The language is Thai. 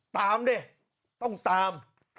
ตามดิต้องตาม